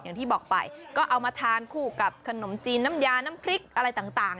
อย่างที่บอกไปก็เอามาทานคู่กับขนมจีนน้ำยาน้ำพริกอะไรต่าง